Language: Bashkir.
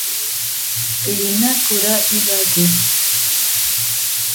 Өйөнә күрә иләге.